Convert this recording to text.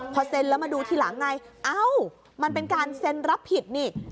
พอเซ็นแล้วมาดูทีหลังไงเอ้ามันเป็นการเซ็นรับผิดนี่